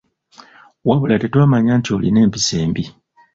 Wabula tetwamanya nti olina empisa embi.